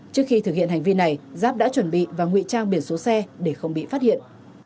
trước khi thực hiện hành vi này giáp đã chuẩn bị và ngụy trang biển số xe để không bị phát hiện